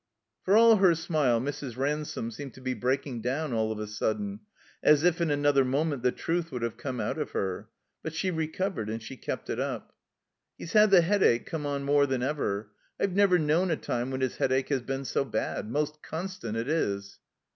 For all her smile Mrs. Ransome seemed to be breaking down all of a sudden, as if in another mo ment the truth would have come out of her; but she recovered, and she kept it up. "He's had the Headache come on more than ever. I've never known a time when His Headache has been so bad. Most constant it is."